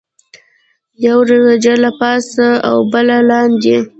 یوه روجایۍ له پاسه او بله لاندې.